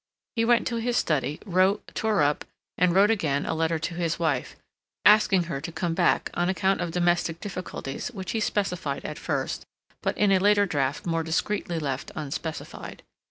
He went to his study, wrote, tore up, and wrote again a letter to his wife, asking her to come back on account of domestic difficulties which he specified at first, but in a later draft more discreetly left unspecified.